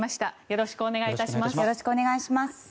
よろしくお願いします。